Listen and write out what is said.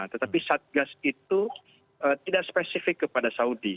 tetapi satgas itu tidak spesifik kepada saudi